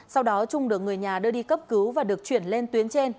sau đó trung được người nhà đưa đi cấp cứu và được chuyển lên tuyến trên